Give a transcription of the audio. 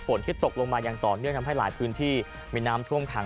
ที่ตกลงมาอย่างต่อเนื่องทำให้หลายพื้นที่มีน้ำท่วมขัง